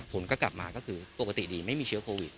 ผลก็กลับมาก็คือปกติดีไม่มีเชื้อโควิด